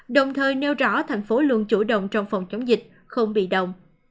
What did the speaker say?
đồng thời nêu rõ thành phố luôn chủ động trong phòng chống dịch không bị động